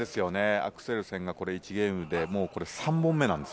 アクセルセンが１ゲームで、もう３本目です。